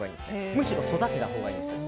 むしろ育てたほうがいいです。